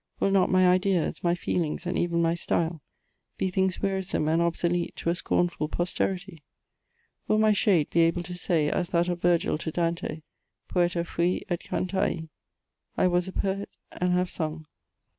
Will not my ideas, my feeling^, and even my style, be things wearisome and obsolete to a scornful posterity ? Will my shade be able to say as that of Virgil to Dante — Poeta fui et cantai — *'I was a poet, and have sung."